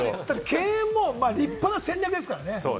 敬遠も立派な戦略ですからね。